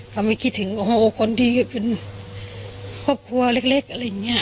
เขาไม่คิดถึงโอ้โหคนที่เป็นครอบครัวเล็กอะไรอย่างนี้